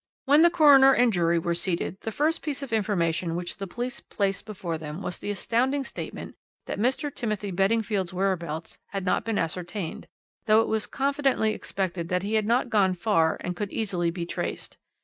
"When the coroner and jury were seated, the first piece of information which the police placed before them was the astounding statement that Mr. Timothy Beddingfield's whereabouts had not been ascertained, though it was confidently expected that he had not gone far and could easily be traced.